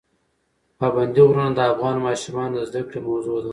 پابندي غرونه د افغان ماشومانو د زده کړې موضوع ده.